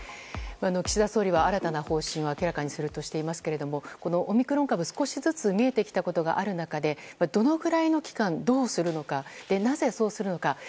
岸田総理は、新たな方針を明らかにするとしていますがオミクロン株、少しずつ見えてきたことがある中でどのぐらいの期間どうするのかなぜそうするのか。